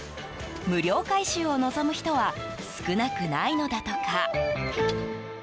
無料回収を望む人は少なくないのだとか。